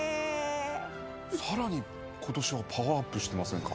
更に今年はパワーアップしてませんか？